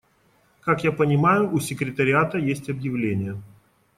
Как я понимаю, у секретариата есть объявление.